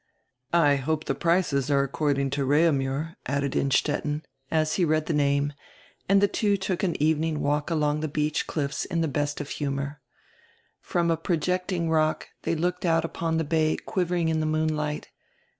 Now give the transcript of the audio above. "I hope the prices are according to Reaumur," added Innstetten, as he read die name, and die two took an evening walk along die beach cliffs in die best of humor. From a projecting rock they looked out upon die bay quivering in die moonlight.